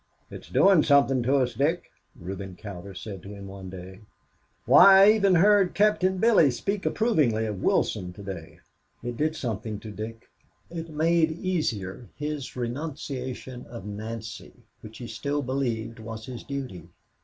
"It's doing something to us, Dick," Reuben Cowder said to him one day. "Why, I even heard Captain Billy speak approvingly of Wilson to day." It did something to Dick. It made easier his renunciation of Nancy which he still believed was his duty.